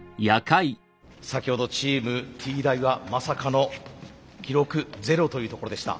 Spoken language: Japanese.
先ほどチームＴ大はまさかの記録０というところでした。